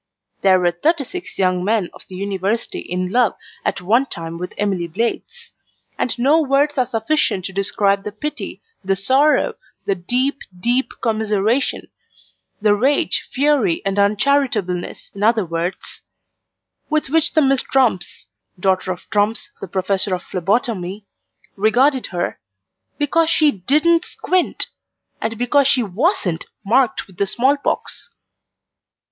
There were thirty six young men of the University in love at one time with Emily Blades: and no words are sufficient to describe the pity, the sorrow, the deep, deep commiseration the rage, fury, and uncharitableness, in other words with which the Miss Trumps (daughter of Trumps, the Professor of Phlebotomy) regarded her, because she DIDN'T squint, and because she WASN'T marked with the small pox.